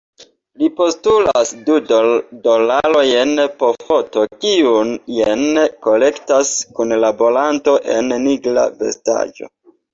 Li postulas du dolarojn po foto, kiujn kolektas kunlaboranto en nigra vestaĵo.